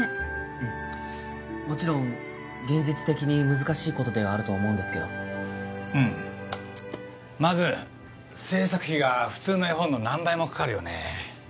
うんもちろん現実的に難しいことではあると思うんですけどうんまず制作費が普通の絵本の何倍もかかるよね